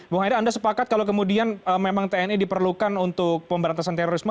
bung haidar anda sepakat kalau kemudian memang tni diperlukan untuk pemberantasan terorisme